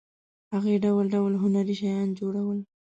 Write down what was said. هغې ډول ډول هنري شیان جوړول.